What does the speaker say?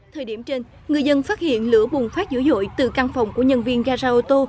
thời điểm trên người dân phát hiện lửa bùng phát dữ dội từ căn phòng của nhân viên gara ô tô